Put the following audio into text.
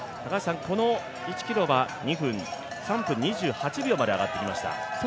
この１ｋｍは３分２８秒まで上がってきました。